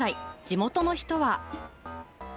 地元の人は。